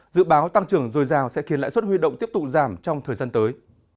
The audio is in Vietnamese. dự báo tăng trưởng dồi dào sẽ khiến lãi suất huy động tiếp tục giảm trong thời gian tới